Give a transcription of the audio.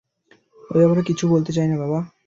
ঐ ব্যাপারে কিছু বলতে চাই না বাবা।